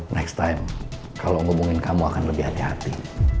next time kalau ngomongin kamu akan lebih hati hati